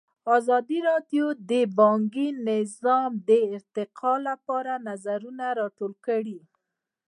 ازادي راډیو د بانکي نظام د ارتقا لپاره نظرونه راټول کړي.